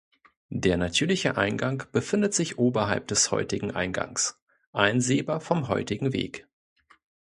Der natürliche Eingang befindet sich oberhalb des heutigen Eingangs, einsehbar vom heutigen Weg.